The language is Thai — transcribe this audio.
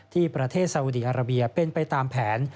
ที่ประเทศสาวุดีอาราเบียเป็นไปตามแผน